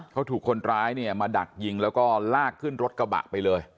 เขาถูกคนร้ายเนี่ยมาดักยิงแล้วก็ลากขึ้นรถกระบะไปเลย